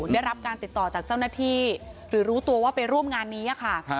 ได้รับการติดต่อจากเจ้าหน้าที่หรือรู้ตัวว่าไปร่วมงานนี้ค่ะ